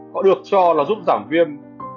có được cho là giúp giảm viêm